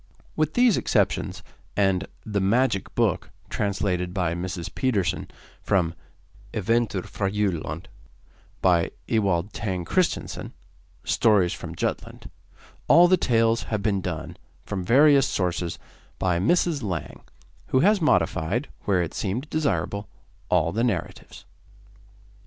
With these exceptions, and 'The Magic Book,' translated by Mrs. Pedersen, from 'Eventyr fra Jylland,' by Mr. Ewald Tang Kristensen (Stories from Jutland), all the tales have been done, from various sources, by Mrs. Lang, who has modified, where it seemed desirable, all the narratives.